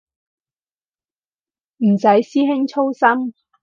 唔使師兄操心